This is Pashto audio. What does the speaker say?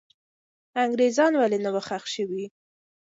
انګریزان ولې نه وو ښخ سوي؟